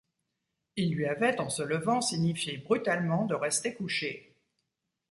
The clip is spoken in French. Il lui avait, en se levant, signifié brutalement de rester couchée.